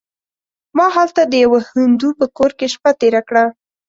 ما هلته د یوه هندو په کور کې شپه تېره کړه.